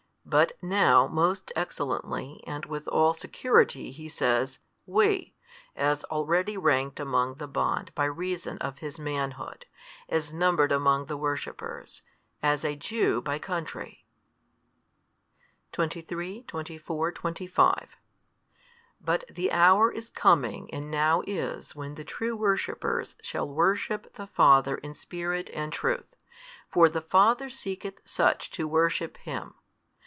But, now most excellently and with all security He says WE, as already ranked among the bond by reason of His Manhood, as numbered among the worshippers, as a Jew by country. 23, 24, 25 But the hour is coming and now is when the true worshippers shall worship the Father in spirit and truth, for the Father seeketh such to worship Him.